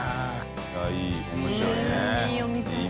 い面白いね。